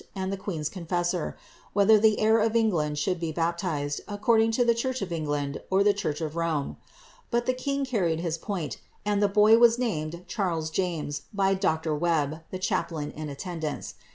and the queen^s confessor, whether the lieir o( England f'hiiuld be baptized according to the church of England or the church of Rome; but the king carried his point, and the boy was named Charles i James, by Dr. Webb, the chaplain in attendance.